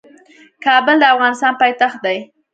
کابل د افغانستان پايتخت دی.